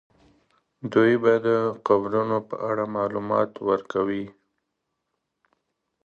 دوی به د قبرونو په اړه معلومات ورکوي.